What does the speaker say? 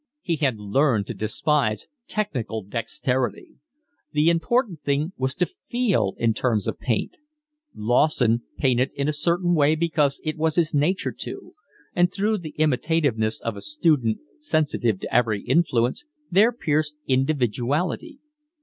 He had learned to despise technical dexterity. The important thing was to feel in terms of paint. Lawson painted in a certain way because it was his nature to, and through the imitativeness of a student sensitive to every influence, there pierced individuality.